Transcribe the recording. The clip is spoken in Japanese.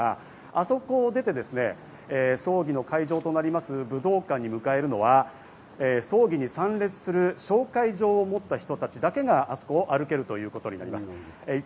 あそこを出て葬儀の会場となる武道館に迎えるのは葬儀に参列する紹介状を持った人たちだけが、あそこを歩けます。